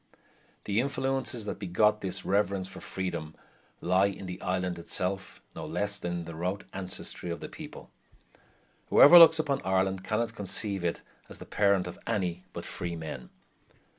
The influences that begot this reverence for freedom lie in the island itself no less than in the remote ancestry of the people. Whoever looks upon Ireland cannot conceive it as the parent of any but freemen.